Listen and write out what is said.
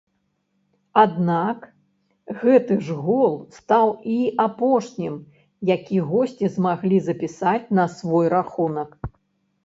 Аднак гэты ж гол стаў і апошнім, які госці змаглі запісаць на свой рахунак.